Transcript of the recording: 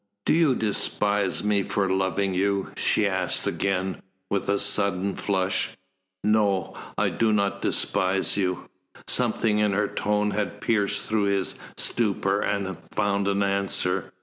"Do you despise me for loving you?" she asked again, with a sudden flush. "No. I do not despise you." Something in her tone had pierced through his stupor and had found an answer.